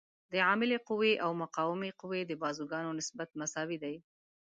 د عاملې قوې او مقاومې قوې د بازوګانو نسبت مساوي دی.